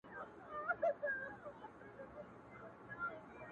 • د ښوونځي له هلکانو همزولانو څخه -